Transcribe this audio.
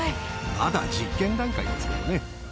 まだ実験段階ですけどね。